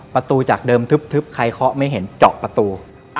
ประตูจากเดิมทึบใครเคาะไม่เห็นเจาะประตู